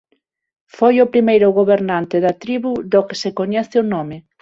Foi o primeiro gobernante da tribo do que se coñece o nome.